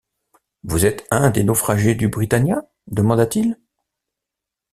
Vous êtes un des naufragés du Britannia? demanda-t-il.